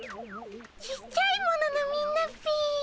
ちっちゃいもののみんなっピ。